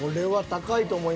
高い。